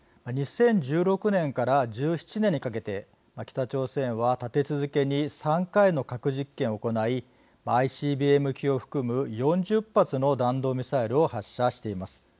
２０１６年から１７年にかけて北朝鮮は立て続けに３回の核実験を行いＩＣＢＭ級を含む４０発の弾道ミサイルを発射しています。